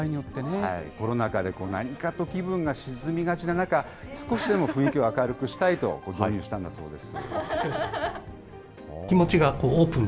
コロナ禍で何かと気分が沈みがちな中、少しでも雰囲気を明るくしたいと導入したんだそうです。